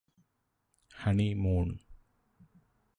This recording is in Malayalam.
ഹണിമൂണ്